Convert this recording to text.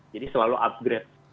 jadi selalu upgrade